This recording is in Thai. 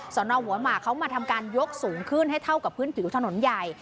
นหัวหมากเขามาทำการยกสูงขึ้นให้เท่ากับพื้นผิวถนนใหญ่